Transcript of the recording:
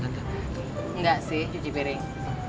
enggak sih cuci piring